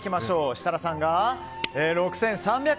設楽さんが６３００円。